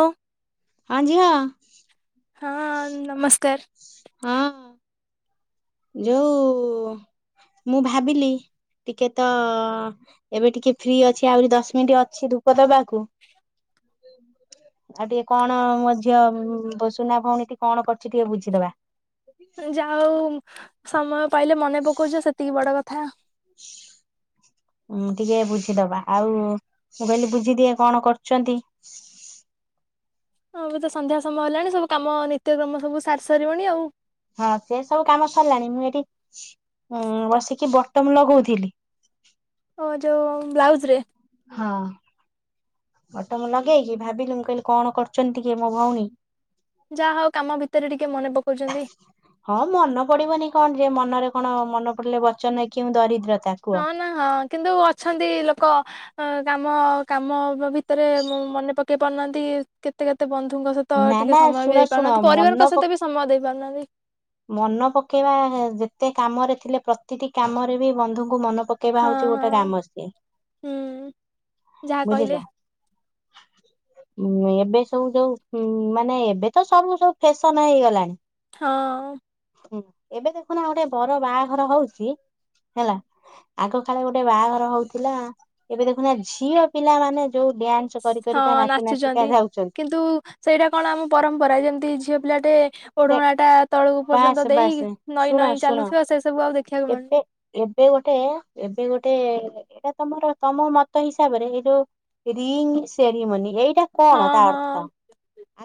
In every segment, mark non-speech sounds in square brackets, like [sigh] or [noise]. ହଉ ଝିଅ। ହଁ ନମସ୍କାର। ହଁ। ଯୋଉ ମୁଁ ଭାବିଲି। ଟିକେ ତ ଏବେ ଟିକେ ଫ୍ରି ଅଛି ଆହୁରି ଦଶ ମିନିଟ୍ ଅଛି ଧୂପ ଦବା କୁ ଆଉ ଟିକେ କଣ ମଧ୍ୟ ଝିଅ ସୁନା ଭଉଣୀ ଟି କଣ କରୁଛି ଟିକେ ବୁଝିଦବା। ଯା ହଉ ସମୟ ପାଇଲେ ମନେ ପକଉଛ ସେତିକି ବଡ କଥା। [inaudible] ଉଁ ଟିକେ ବୁଝିଦବା ଆଉ ମୁଁ କହିଲି ବୁଝିଦିଏ କଣ କରୁଛନ୍ତି। ହଁ ତ ସନ୍ଧ୍ୟା ସମୟ ହେଲାଣି ସବୁ କାମ ନିତ୍ୟକ୍ରମ ସବୁ ସାରି ସାରିବଣି ଆଉ। ହଁ ସେ ସବୁ କାମ ସରିଲାଣି ମୁଁ ଏଠି ଉଁ ବସିକି ବଟମ ଲଗଉଥିଲି। ଓ ଯୋଉ ବ୍ଲାଉଜ ରେ। ହଁ। ବଟମ ଲଗେଇକି ଭାବିଲି ମୁଁ କହିଲି କଣ କରୁଛନ୍ତି କିଏ ମୋ ଭଉଣୀ। ଯାହା ହୋଉ କାମ ଭିତରେ ଟିକେ ମନେ ପକାଉଛନ୍ତି। ହଁ ମନେ ପଡିବନି କଣ ଯେ ମନରେ କଣ ମନ ପଡିଲେ ବଚନ କି ଦରିଦ୍ରତା କୁହ। ହଁ ନା ହଁ କିନ୍ତୁ ଅଛନ୍ତି ଲୋକ। ଅ କାମ କାମ ଭିତରେ ମନେ ପକେଇ ପାରୁନାହାନ୍ତି କେତେ କେତେ ବନ୍ଧୁଙ୍କ ସହିତ ତ ନା ଟିକେ ନା ସମୟ ବି ଶୁଣ ଦେଇ ଶୁଣ ପାରୁନାହାନ୍ତି ପରିବାରଙ୍କ ସହିତ ବି ସମୟ ଦେଇ ପାରୁନାହାନ୍ତି। ମନେ ପକେଇବା ଯେତେ କାମରେ ଥିଲେ ପ୍ରତିଟି କାମରେ ବି ବନ୍ଧୁଙ୍କୁ ମନେ ପକ କେବା ହଁ ହଉଛି ଗୋଟେ ହଁ ଗାମ ସଏ ହୁଁ ଯାହା କହିଲେ ବୁଝିଲ। ଉଁ ଏବେ ସବୁ ଯୋଉ ମାନେ ଏବେ ତ ସବୁ ସବୁ ଫ୍ୟାସନ ହେଇଗଲାଣି। ହଁ। ହୁଁ ଏବେ ଦେଖୁନା ଗୋଟେ ବର ବାହାଘର ହଉଛି ହେଲା। ଆଗକାଳେ ଗୋଟେ ବାହାଘର ହଉଥିଲା ଏବେ ଦେଖୁନା ଝିଅ ପିଲା ମାନେ ଯୋଉ ଡ୍ୟା ହଁ ନାଚୁଛନ୍ତି କିନ୍ତୁ ସେଇଟା କଣ ଆମ ପରମ୍ପରା ଯେମିତି ଝିଅ ପିଲାଟେ ସେ ଓଢ଼ୋଣା ଟା ତଳକୁ ବାସ୍ ପର୍ଯ୍ୟନ୍ତ ଦେଇ ବାସ୍ ନଇଁ ଶୁଣ ନଇଁ ଶୁଣ ଚାଲୁଥିବା ସେସବୁ ଆଉ ଦେଖିବାକୁ ଏବେ ମିଳୁନି। ଏବେ ଗୋଟେ -ଏବେ ଗୋଟେ ଏଇଟା ତମର ତମ ମତ ହିସାବରେ ଏଇ ଯୋଉ ରିଙ୍ଗ୍ ସେରିମନି ଏଇଟା ହଁ କଣ ତା ହଁ ଅର୍ଥ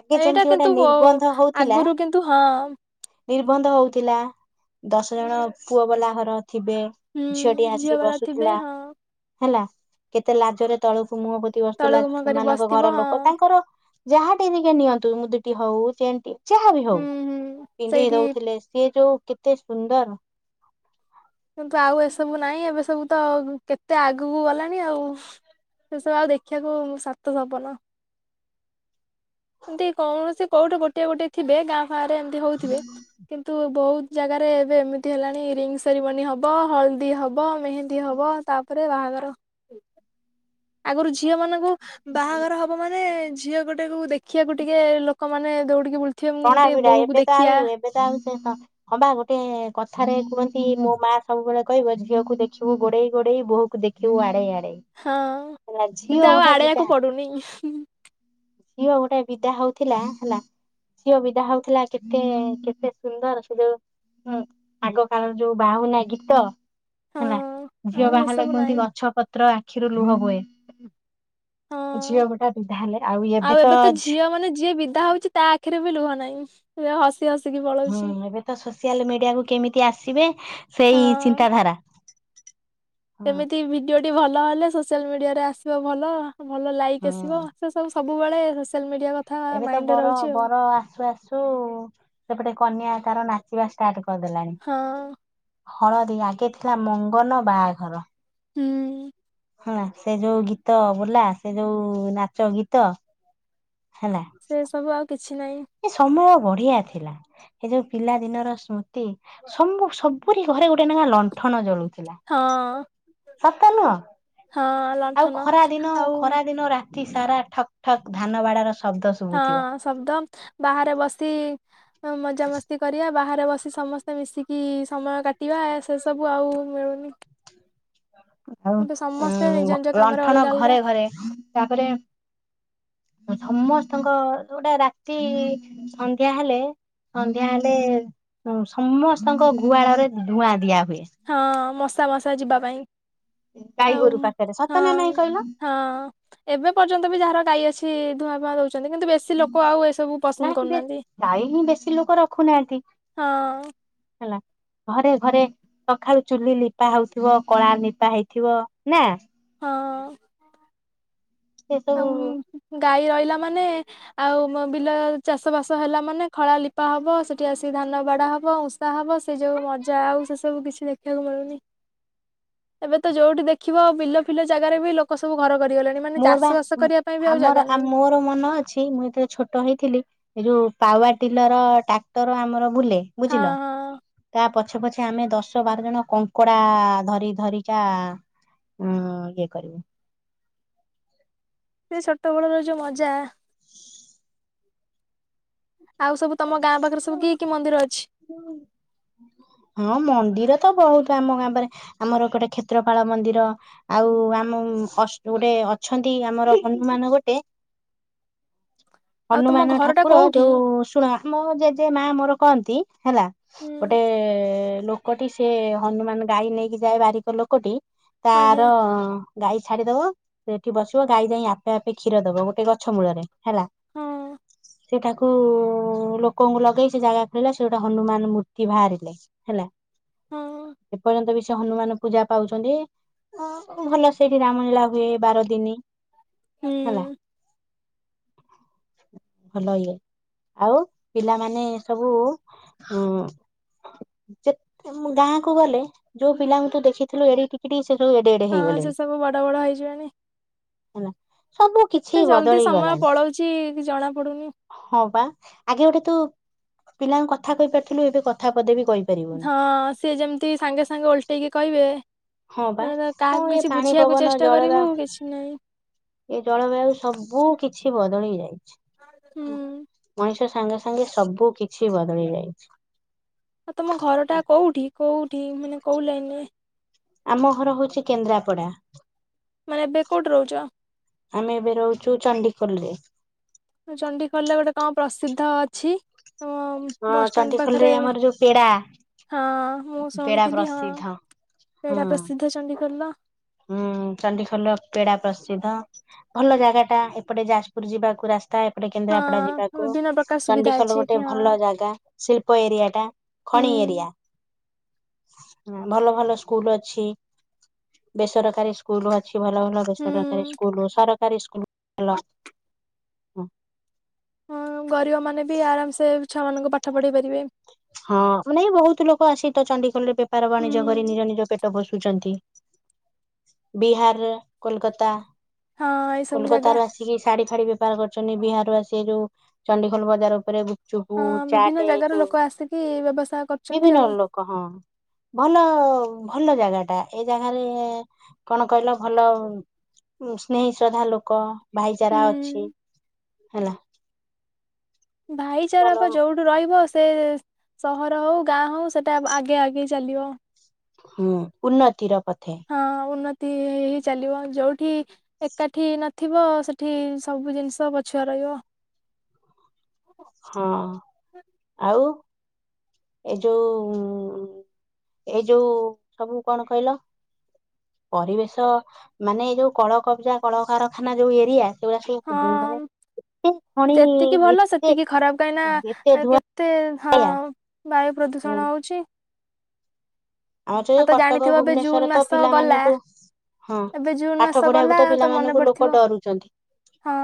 ଆଗେ ଯେମିତି ଗୋଟେ ନିର୍ବନ୍ଧ ହଉଥିଲା ତୁ ହଁ। ନିର୍ବନ୍ଧ ହୋଉଥିଲା ଦଶ ଜଣ ପୁଅ ବାଲା ଘର ଥିବେ। ଝିଅଟି ହୁଁ ଝିଅ ଆସି ବାଲା ଥିବେ ବସୁଥିଲା ହଁ ହେଲା କେତେ ଲାଜରେ ତଳକୁ ମୁହଁ ପୋ ତି ବସୁଥିଲା ତଳକୁ ମୁହଁ କରି ସେମାନଙ୍କ ବସିଥିବ ଘର ହଁ ଲୋକ ତାଙ୍କର। ଯାହାଟି ଟିକେ ନିଅନ୍ତୁ ମୁଦିଟି ହଉ ଚେନ୍ ଟେ ଯାହା ବି ହୁଁ ହୋଉ। ହୁଁ ପିନ୍ଧେଇ ସେଇଠି ଦଉଥିଲେ ସିଏ ଯୋଉ କେତେ ସୁନ୍ଦର୍। କିନ୍ତୁ ଆଉ ଏସବୁ ନାହିଁ। ଏବେ ସବୁ ତ କେତେ ଆଗକୁ ଗଲାଣି ଆଉ ସେସବୁ ଆଉ ଦେଖିବାକୁ ସାତ ସପନ। ଏମିତି କୌଣସି କୋଉଠି ଗୋଟିଏ ଗୋଟିଏ ଥିବେ ଗାଁ ଫାଁ ରେ ଏମିତି ହୋଉଥିବେ। କିନ୍ତୁ ବହୁତ୍ ଜାଗାରେ ଏବେ ଏମିତି ହେଲାଣି ରିଙ୍ଗ୍ ସେରିମନି ହବ, ହଳଦୀ ହବ, ମେହେନ୍ଦୀ ହବ ତାପରେ ବାହାଘର। ଆଗରୁ ଝିଅ ମାନଙ୍କୁ ବାହାଘର ହବ ମାନେ ଝିଅ ଗୋଟେକୁ ଦେଖ୍ ଦେଖିଆକୁ ଟିକେ ଲୋକମାନେ ଦୌଡିକି ବୁଲୁଥିବେ ମୁଁ ଟିକେ ବୋହକୁ ଦେଖିଆ। [unintelligible] ହଁବା ଗୋଟେ କଥାରେ କୁହନ୍ତି ମୋ ମା ସବୁବେଳେ କହିବ ଝିଅକୁ ଦେଖିବୁ ଗୋଡେଇ ଗୋଡେଇ ବୋହ କୁ ଦେଖ୍ ଖିବୁ ଆଡ଼େଇ ଆଡ଼େଇ। ହଁ କିନ୍ତୁ ଆଉ ଆଡେଇଆକୁ ପଡୁନି। ଝିଅ ଗୋଟେ ବିଦା ହଉଥିଲା ହେଲା ଝିଅ ବିଦା ହଉଥିଲା କେତେ -କେତେ ସୁନ୍ଦର ସେ ଯୋଉ ହୁଁ ଆଗକାଳରେ ଯୋଉ ବାହୁନା ଗୀତ ହେଲା ହଁ ଝିଅ ଆଉ ବାହାହେଲେ ଏସବୁ କୁହନ୍ତି ନାହିଁ ଗଛ ପତ୍ର ଆଖିରୁ ଲୁହ ବୋହେ। ହଁ। ଝିଅ ଗୋଟାଏ ବିଧା ହେଲେ ଆଉ ଏବେ ତ ଛି ତା ମାନେ ଯିଏ ବିଦା ହଉଚି ତା ଆଖିରେ ବି ଲୁହ ନାହିଁ ସେ ହସ୍ ହସି ହସି କି ପଳ ହୁଁ ଏବେ ତ ସୋସିଆଲ ମିଡିଆକୁୁ କେମିତି ଆସିବେ ସେଇ ହଁ। ଚିନ୍ତାଧାରା। ହଁ କେମିତି ଭିଡିଓ ଟି ଭଲ ହେଲେ ସୋସିଆଲ୍ ମିଡିଆରେ ଆସିବ ଭଲ। ଭଲ ଲାଇକ୍ ହଁ ଆସିବ ସସବୁ ସବୁବେଳେ ସୋସିଆଲ୍ ମିଡିଆର ଏବେ ତ ବର ବର ଆସୁ ଆସୁ ସେପଟେ କନ୍ୟା ତାର ନା ଚିବା ଷ୍ଟାର୍ଟ କରିଦେଲାଣି ହଁ ହଳଦୀ ଆଗେ ଥିଲା ମଙ୍ଗନ, ବାହାଘର। ହୁଁ। ହେଲା ସେ ଯୋଉ ଗୀତ ବୋଲା ସେ ଯୋଉ ନାଚ ଗୀତ ହେଲା ସେ ସବୁ ଆଉ କିଛି ନାହିଁ। ସେ ସମୟ ବଢିଆ ଥିଲା। ହେ ଯୋଉ ପିଲା ଦିନର ସ୍ମୃତି ସବୁ- ସବୁରି ଘରେ ଗୋଟେ ନେଖା ଲଣ୍ଠନ ଜଳୁଥିଲା। ହଁ। ସତ ନୁହଁ ହଁ ଆଉ ଲଣ୍ଠନ ଖରା ଦିନ ଆଉ ଖରା ଦିନ ରା ତି ସାରା ଠକ୍ ଠକ୍ ଧାନ ବାଡା ର ଶବ୍ଦ ହଁ ଶୁଭୁଥିବ ଶବ୍ଦ ବାହାରେ ବସି ମଜାମସ୍ତି କରିବା ବାହାରେ ବସି ସମସ୍ତେ ମିଶିକି ସମୟ କାଟିବା ଏସ ସେ ସବୁ ଆଉ ମିଳୁନି। ଏବେ ଆଉ ସମସ୍ତେ ନିଜ ଉଁ ନିଜ କାମରେ -ଲଣ୍ଠନ ଅଲଗା ଅଲଗା ଘରେ ଘରେ ତାପରେ ସମସ୍ତଙ୍କ ଯୋଉଟା ରାତି ସନ୍ଧ୍ୟା ହେଲେ ସନ୍ଧ୍ୟା ହେଲେ ସମସ୍ତଙ୍କ ଗୁହାଳରେ ଧୂଆଁ ଦିଆ ହୁଏ। ହଁ ମଶା ମଶା ଯିବା ପାଇଁ ଗାଈ ଆଉ ଗୋରୁ ପାଖରେ ସତ ହଁ ନା ନାଇଁ କହିଲ -ହଁ। ଏବେ ପର୍ଯ୍ୟନ୍ତ ବି ଯାହାର ଗାଈ ଅଛି ଧୂଆଁପୂଆ ଦଉଚନ୍ତି କିନ୍ତୁ ବେଶୀ କିଛି ଲୋକ ଆଉ ଏସବୁ ପସନ୍ଦ ନାହିଁ କରୁନାହାନ୍ତି ଗାଈ ହିଁ ବେଶୀ ଲୋକ ରଖୁନାହାନ୍ତି ହଁ। ହେଲା ଘରେ ଘରେ ସକାଳୁ ଚୁଲି ଲିପା ହଉଥିବ କଳା ନିପା ହେଇଥିବ ନା? ହଁ ସେ ସବୁ ଅମ୍ ଗାଈ ରହିଲା ମାନେ ଆଉ ମ ବିଲ ଚାଷ ବାସ ହେଲା ମାନେ ଖଳା ଲିପା ହବ ସେଠି ଆସି ଧାନ ବାଡା ହବ ହବ ସେଇ ଯୋଉ ମଜା ଆଉ ସେ ସବୁ କିଛି ଦେଖିବାକୁ ମିଳୁନି। [inaudible] ଏବେ ତ ଯୋଉଠି ଦେଖିବ ବିଲ ଫିଲ ଜାଗାରେ ବି ଲୋକ ସବୁ ଘର କରିଗଲେଣି। ମାନେ ମୋର ଚାଷ ବା ବାସ କରିବା ପାଇଁ ବି ଆଉ ହାମର ଜାଗା ଆ ନାହିଁ। ମୋର ମନ ଅ ଅଛି ମୁଁ ଜେତେଳେ ଛୋଟ ହେଇଥିଲି ଏ ଯୋଉ ପାୱାର ଟିଲର ଟ୍ରାକ୍ଟର ଆମର ବୁଲେ ହଁ ବୁଝିଲ? ହଁ ତା ପଛେ ପଛେ ଆମେ ଦଶ ବାର ଜଣ କଙ୍କଡା ଧରି ଧରି କା ହଁ ଇଏ କରିବୁ। ସେ ଛୋଟବେଳର ଯୋଉ ମଜା ଆଉ ସବୁ ତମ ଗାଁ ପାଖରେ ସବୁ କି କି ମନ୍ଦିର ଅଛି? [inaudible] ହଁ ମନ୍ଦିର ତ ବହୁତ ଆମ ଗାଁ ପାରେ ଗୋଟେ କ୍ଷେତ୍ରପାଳ ମନ୍ଦିର ଆଉ ଆମ ଅଷ୍ଟ୍ ଗୋଟେ ଅଛନ୍ତି ଆମର ହନୁମାନ ଗୋଟେ ଆଉ ତମ ହନୁମାନ ଘରଟା ଠାକୁର କୋଉଠି? ଯୋଉ ଶୁଣ ମୋ ଜେଜେ ମା ମୋର କହନ୍ତି ହେଲା ହୁଁ ଗୋଟେ ଲୋ ଲୋକଟି ସେ ହନୁମାନେ ଗାଈ ନେଇକି ଯାଏ ବାରିକ ଲୋକଟି ଆଜ୍ଞା। ତାର ଗାଈ ଛାଡିଦବ ସେଇଠି ବସିବ ଗାଈ ଯାଇ ଆପେ ଆପେ କ୍ଷୀର ଦବ ଗୋଟେ ଗଛ ମୂଳରେ ହେଲା। ହୁଁ। ସେଠାକୁ ଲୋକଙ୍କୁ ଲଗେଇ ସେ ଜାଗା ଖୋଲା ସେ ଗୋଟେ ହନୁମାନ ମୂର୍ତ୍ତି ବାହାରିଲେ ହେଲା। ହଁ ଏପର୍ଯ୍ୟନ୍ତ ବି ସେ ହନୁମାନ ପୂଜା ପାଉଛନ୍ତି ଅଁ ଭଲ ସେଇଠି ରାମ ଲୀଳା ହୁଏ ବାର ଦିନି। ହେଲା। ହୁଁ। ଭଲ ଇଏ ଆଉ ପିଲାମାନେ ସବୁ ହଁ। ଯେ ଗାଁକୁୁ ଗଲେ ଯୋଉ ପିଲାଙ୍କୁ ତୁ ଦେଖିଥିଲୁ ଏଡ଼ିକି ଟୁ ସିଏ ସବୁ ଏଡ଼େଏଡ଼େ ହଁ ହେଇଗଲେଣି। ସେ ସବୁ ବଡ ବଡ ହେଇଯିବେଣି ହେଲା ସବୁ କିଛି କେତେ ଜଲଦି ବଦଳି ସମୟ ଗଲାଣି। ପଳଉଛି ଜଣା ପଡୁନି। ହଁ ବା ଆଗେ ଗୋଟେ ତୁ ପିଲାଙ୍କୁ କଥା କହିପାରିଥିଲୁ ଏବେ କଥା ପଦେବି କହି ହଁ ସିଏ ଯେମିତି ସାଙ୍ଗେ ସାଙ୍ଗେ ଓଲଟେଇକି କହିବେ। ହଁ ବା ମାନେ କଣ କାହାକୁ ଏଇ କିଛି ପାଣି ବୁଝିବାକୁ ପବନ ଚେଷ୍ଟା କରିବୁ ଜଳବା କିଛି ନାହିଁ। ଏ ଜଳବାୟୁ ସବୁ କିଛି ବଦଳି ଯାଇଛି। ହୁଁ ମଣିଷ ସାଙ୍ଗେ ସାଙ୍ଗେ ସବୁ କିଛି ବଦଳି ଯାଇଛି। ଆ ତମ ଘରଟା କୋଉଠି କୋଉଠି ମାନେ କୋଉ ଲାଇନରେ? ଆମ ଘର ହଉଛି କେନ୍ଦ୍ରାପଡ଼ା। ମାନେ ଏବେ କଉଟି ରହୁଛ? ଆମେ ଏବେ ରହୁଛୁ ଚଣ୍ଡିଖୋଲରେ। ଚଣ୍ଡିଖୋଲରେ ଗୋଟେ କଣ ପ୍ରସିଦ୍ଧ ଅଛି ଅଁ ହଁ ଚଣ୍ଡିଖୋଲ ରେ ଆମର ଯୋଉ ପେଡ଼ା। ହଁ ମୁଁ ଶୁଣିଥିଲି ହଁ ହୁଁ ପେଡ଼ା ପ୍ରସିଦ୍ଧ ଚଣ୍ଡିଖୋଲର। ହୁଁ ଚଣ୍ଡିଖୋଲ ର ପେଡ଼ା ପ୍ରସିଦ୍ଧ ଭଲ ଜାଗାଟା ଏପଟେ ଯାଜପୁର ଯିବାକୁ ରାସ୍ ତା ଏପଟେ କେନ୍ଦରାପଡ଼ା ହଁ ଯିବାକୁ। ବିଭିନ୍ନ ପ୍ରକାର ସୁବିଧା ଚଣ୍ଡିଖୋଲ ଅଛି ଗୋଟେ ଏଠି ହଁ ଭଲ ଜାଗା ଶିଳ୍ପ ଏରିଆ ଟା ଖଣି ହୁଁ। ଏରିଆ। ହୁଁ ଭଲ ଭଲ ସ୍କୁଲ ଅଛି। ବେସରକାରୀ ସ୍କୁଲୁ ଅଛି ଭଲ ଭଲ ବେସରକାରୀ ହୁଁ ସ୍କୁଲୁ ସରକାରୀ ସ୍କୁଲୁ ଭଲ। ହଁ ଗରିବ ମାନେ ବି ଆରାମ ସେ ଛୁଆମାନଙ୍କୁ ପାଠ ପଢ଼େଇ ପାରିବେ। ହଁ ମାନେ ବହୁତ ଲୋକ ଆସି ତ ଚଣ୍ଡିଖୋଲରେ ବେପାର ହୁଁ। ବାଣିଜ୍ୟ କରି ନିଜ ନିଜ ପେଟ ପୋଷୁଛନ୍ତି। ବିହାର କୋଲକାତା ହଁ ଏଇ ସବୁ କୋଲକତା ଜାଗା ରୁ ଆସି କିି ଶାଢ଼ୀ ଫାଢ଼ୀ ବେପାର କରୁଛନ୍ତି ବିହାରରୁ ଆସି ଏ ଯୋଉ ଚଣ୍ଡିଗୋଲ ବଜାର ଉପରେ ଗୁପଚୁପୁ ହଁ ଚାଟ ବିଭିନ୍ନ ଏ ଜାଗାରୁ ସବୁ ଲୋକ ଆସିକି ବ୍ୟବସାୟ କର ବିଭିନ୍ନ ଲୋକ ହଁ। ଭଲ ଭଲ ଜାଗାଟା ଏଇ ଜାଗାରେ କଣ କହିଲ ଭଲ? ସ୍ନେହୀ ଶ୍ରଦ୍ଧା ଲୋକ ଭାଇଚାରା ଅଛି ହୁଁ। ହେଲା। ଭାଇଚାରା ଭଲ ବା ଯୋଉଠ୍ ରହିବ ସେ ସହର ହଉ ଗାଁ ହଉ ସେଟା ଆଗେ ଆଗେଇ ଚାଲିବ। ହୁଁ ଉନ୍ନତିର ପଥେ। ହଁ ଉନ୍ନତି ହେଇ ହେଇ ଚାଲିବ ଯୋଉଠି ଏକାଠି ନଥିବ ସେଠି ସବୁ ଜିନିଷ ପଛୁଆ ରଇବ। ହଁ। [unintelligible] ଆଉ ଏଇ ଯୋଉ ଏଇ ଯୋଉ ସବୁ କଣ କହିଲ? ପରିବେଶ ମାନେ ଏଇ ଯୋଉ କଳ କବ୍ଜା କଳକାରଖାନା ଯୋଉ ଏରିଆ। ସେଉଡା ସବୁ [unintelligible] ମାନେ ହଁ ଏତେ ଖଣି ଯେତିକି ଭଲ ଏତେ ସେତିକି ଖରାପ, କାହିଁ ନା ଏତେ ଏ କେତେ ହଁ? ଧୂଆଁଳିଆ ବାୟୁ ପ୍ରଦୂଷଣ ହଉଛି। ଆଁ, ଯେ ଆଉ ତ କଟକ ଜାଣିଥିବ ଏବେ ଜୁନ ଭୁବନେଶ୍ଵରରେ ତ ମାସ ଗଲା ପିଲାମାନଙ୍କୁ ହଁ, ଏବେ ଜୁନ ପାଠ ମାସ ଗଲା ପଢେଇବାକୁ ତ ମନେ ପିଲାମାନଙ୍କୁ ପଡିଥିବ ଲୋକ ଡରୁଚନ୍ତି। ହଁ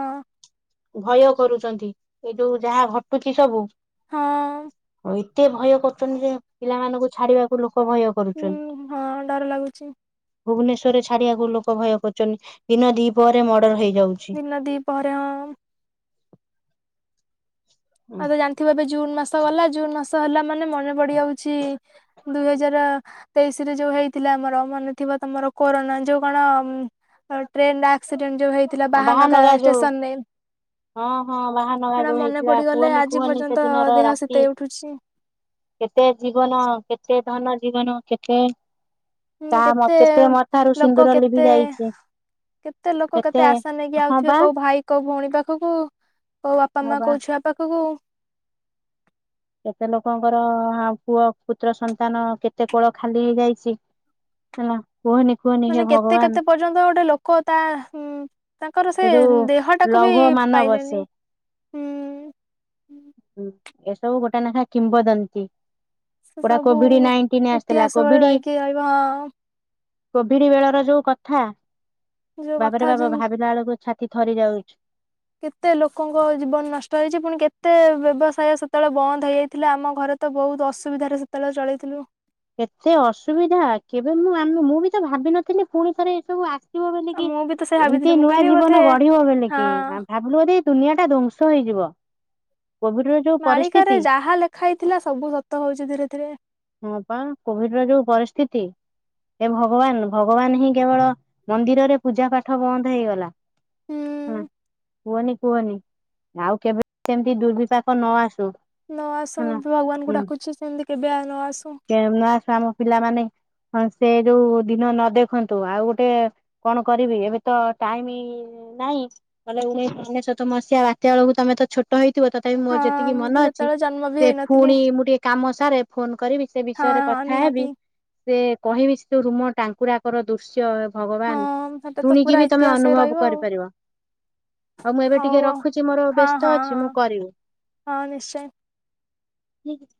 ଭୟ କରୁଚନ୍ତି, ଏଇ ଯୋଉ ଯାହା ଘଟୁଛି ସବୁ। ହଁ। ଏତେ ଭୟ କରୁଚନ୍ତି, ଯେ ପିଲାମାନଙ୍କୁ ଛାଡିବାକୁ ଲୋକ ଭୟ ହୁଁ କରୁଚନ୍। ହଁ ଡର ଲାଗୁଛି ଭୁବନେଶ୍ବରେ ଛାଡିବାକୁ ଲୋକ ଭୟ କରୁଚନି। ଦିନ ଦିପହରେ ମର୍ଡର୍ ହେଇଯାଉଛି। ଦିନ ଦିପହରେ ହଁ। ଆଉ ତୋ ଜାଣିଥିବ ଏବେ ଜୁନ୍ ମାସ ଗଲା ଜୁନ୍ ମାସ ହେଲା ମାନେ ମନେ ପଡିଯାଉଛି ଦୁଇ ହଜାର ତେଇଶି ରେ ଯୋଉ ହେଇଥିଲା ଆମର ମନେ ଥିବ ତୋମର କୋରୋନା। ଯୋଉ କଣ ଉଁ, ଆଉ ଟ୍ରେନ୍ ରେ ଆକ୍ସିଡେଣ୍ଟ ଯୋଉ ହେଇ ହଁ ବାହାନଗା ଯୋଉ ହଁ, ହଁ ବାହାନଗା ସେଟା ଯୋଉ ମନେ ହେଇଥି ଲା ପଡିଗଲେ କୁହନି, ଆଜି କୁହନି ପର୍ଯ୍ୟନ୍ତ ସେଦିନ ର ଦେହ ରାତି। ଶୀତେଇ ଉଠୁଛି କେତେ ଜୀବନ, କେତେ ଧନ ଜୀବନ, କେତେ ତା ମ -କେତେ ମଥାରୁ ଲୋକ ସିନ୍ଦୁର ଲିଭି କେତେ ଯାଇଚି। କେତେ ଲୋକ କେତେ ଆଶା ନେଇକି ହଁ ଆଉଥୁବେ ବା କୋଉ ଭାଇ କୋଉ ଭଉଣୀ ପାଖକୁ। କୋଉ ବାପା ହଁ ମା ବା କୋଉ ଛୁଆ ପାଖକୁ। କେତେ ଲୋକଙ୍କର ହା ପୁଅ, ପୁତ୍ର, ସନ୍ତାନ କେତେ କୋଳ ଖାଲି ହେଇଯାଇଛି। ହେଲା। କୁହନି କୁହନି। ମାନେ ହେ କେତେ କେତେ ଭଗବାନ ପର୍ଯ୍ୟନ୍ତ ଗୋଟେ ଲୋକ ତା ହୁଁ, ତାଙ୍କର ସେ ଉଁ, ଦେହ ଟାକୁ ବି ଲୌହ ମାନବ ପାଇଲେନି। ସେ ଉଁ, ଏ ହୁଁ, ଏସବୁ ଗୋଟେ ନେଖା କିମ୍ବଦନ୍ତିୀ। ସେ ଗୋଟା ସବୁ କୋଭିଡି ନାଇନଟିନ୍ ଆସିଥିଲା। ଇତିହାସ ବେଳେ କୋଭିଡି ରହିକି ରହିବ କୋଭିଡି ବେଳର ଯୋଉ କଥା, ହଁ ଯୋଉ କଥା ବାବାରେ ବାବ ଯୋଉ ଭାବିଲା ବେଳକୁ ଛାତି ଥରି ଯାଉଛୁ। କେତେ ଲୋକଙ୍କ ଜୀବନ ନଷ୍ଟ ହେଇଛି। ପୁଣି କେତେ ବ୍ୟବସାୟ ସେତେବେଳେ ବନ୍ଦ ହେଇଯାଇଥିଲା। ଆମ ଘରେ ତ ବହୁତ ଅସୁବିଧାରେ ସେତେବେଳେ ଚଳେଇଥିଲୁ। କେତେ ଅସୁବିଧା, କେବେ ମୁଁ ଆ, ମୁଁ ମୁଁ ବି ତ ଭାବିିନଥିଲି, ପୁଣି ଥରେ ଏ ସବୁ ଆସ ସିବ ବୋଲି କି ମୁଁ ବି ତ ସେ ଏମତି ଭାବିଥିଲି ମୁଁ ନୂଆ କହିଲି ବୋଧେ ଜୀବନ ଗଢିବ ବୋଲି ହଁ କି। ଆ [inaudible] ଭାବୁଲୁ ବୋଧେ ଏ ଦୁନିଆ ଟା ଧ୍ଵଂସ ହେଇଯିବ। କୋଭିଡ୍ ର ଯୋଉ ମାଳିକାରେ ପରିସ୍ଥିତି ଯାହା ଲେଖା ହେଇଥିଲା ସବୁ ସତ ହଉଛି ଧୀରେ ଧୀରେ। ହଁ ପା କୋଭିଡ୍ ର ଯୋଉ ପରିସ୍ଥିତି। ଏ ଭଗବାନ, ଭଗବାନ ହିଁ କେବଳ ମନ୍ଦିରରେ ପୂଜା ପାଠ ବନ୍ଦ ହେଇଗଲା। ହୁଁ ହଁ। କୁହନି, କୁହନି ଆଉ କେବେ ସେମତି ଦୁର୍ବିପାକ ନ ଆସୁ। ନ ଆସୁ ମୁଁ ହେଲା ବି ଭଗବାନଙ୍କୁ ହୁଁ। ଡାକୁଛି ସେମିତି କେବେ ଆ, ନ ଆସୁ। ଏ ନ ଆସୁ, ଆମ ପିଲାମାନେ ହଁ ସେ ଯୋଉ ଦିନ ନ ଦେଖନ୍ତୁ। ଆଉ ଗୋଟେ କଣ କରିବି ଏବେ ତ ଟାଇମି ଅଁ, ନାଇଁ ନଲେ ଉଣେଇଶ ଅନେଶତ ମସିହା ବାତ୍ୟା ବେଳକୁ ତୋମେ ତ ଛୁଟ ହେଇଥିବ। ତୋ ସେଇ ମୋର ହଁ ଯେତିକି ମୁଁ ମନ ତ ଅଛି। ସେତେବେଳେ ଜନ୍ମ ବି ସେ ହେଇନଥିଲି ପୁଣି ମୁଁ ଟିକେ କାମ ସାରେ ଫୋନ୍ କରିବି। ସେ ହଁ ବିଷୟରେ ହଁ କଥା ହେବି, ନିହାତି ସେ କହିବି ତୋ ରୁମ ଟାଙ୍କୁରାକର ଦୃଶ୍ୟ ହଁ ଭଗବାନ, ସେଟା ତ ଶୁଣିକି ପୁରା ବି ତୋମେ ଇତିହାସ ହେଇ ଅନୁଭବ ରହିବ ଆଉ କରିପାରିବ। ହଉ ମୁଁ ଏବେ ଟିକେ ରଖୁଛି, ମୋର ହଁ ବ୍ୟସ୍ତ ହଁ ଅଛି, ମୁଁ ହଁ କରିବି। ହଁ ନିଶ୍ଚୟ ଠିକ୍ ଅଛି।